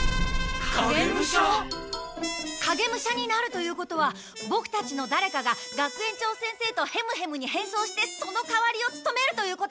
影武者になるということはボクたちのだれかが学園長先生とヘムヘムに変装してそのかわりをつとめるということですね。